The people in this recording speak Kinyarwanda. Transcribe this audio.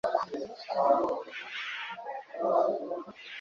Ibigo byinshi birahatanira igice gikize cyisoko.